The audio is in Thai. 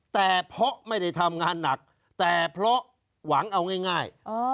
แต่เพราะไม่ได้ทำงานหนักแต่เพราะหวังเอาง่าย